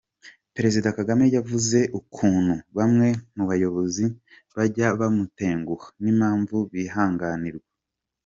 Perezida Kagame yavuze ukuntu bamwe mu bayobozi bajya bamutenguha n’ impamvu bihanganirwa .